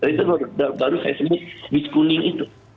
itu baru saya sebut bis kuning itu